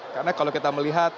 karena kalau kita melihatnya